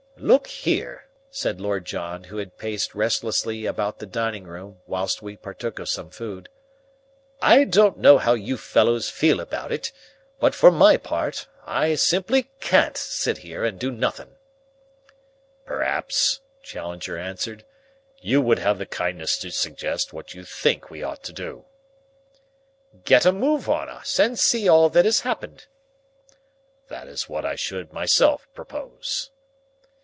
"Look here," said Lord John, who had paced restlessly about the dining room whilst we partook of some food, "I don't know how you fellows feel about it, but for my part, I simply can't sit here and do nothin'." "Perhaps," Challenger answered, "you would have the kindness to suggest what you think we ought to do." "Get a move on us and see all that has happened." "That is what I should myself propose."